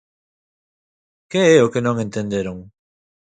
Que é o que non entenderon?